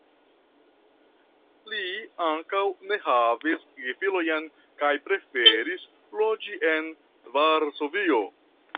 Li ankaŭ ne havis gefilojn kaj preferis loĝi en Varsovio.